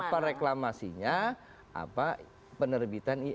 apa reklamasinya apa penerbitan imb nya